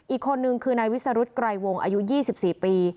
อีกคนนึงคือนายวิสรุธไกรวงอายุ๒๔ปี